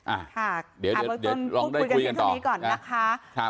อ่าเดี๋ยวลองได้คุยกันตอนนี้ก่อนนะคะ